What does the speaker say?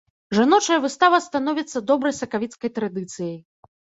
Жаночая выстава становіцца добрай сакавіцкай традыцыяй.